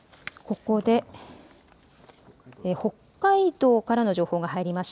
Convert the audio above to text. ここで北海道からの情報が入りました。